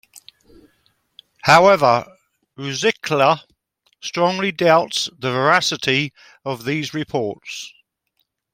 However, Ruzicka strongly doubts the veracity of these reports.